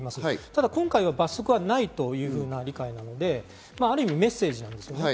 ただ今回は罰則はないという理解なので、ある意味メッセージです。